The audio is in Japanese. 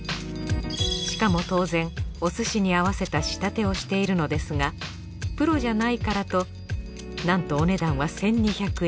しかも当然お寿司に合わせた仕立てをしているのですがプロじゃないからとなんとお値段は１，２００円。